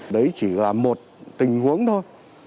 đấy chỉ là một tình huống thôi